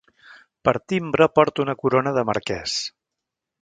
Per timbre porta una corona de marquès.